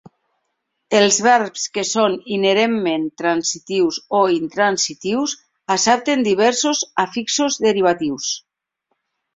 Els verbs que són inherentment transitius o intransitius accepten diversos afixos derivatius.